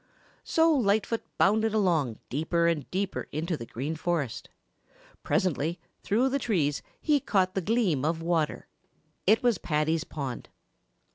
So Lightfoot bounded along deeper and deeper into the Green Forest. Presently through the trees he caught the gleam of water. It was Paddy's pond.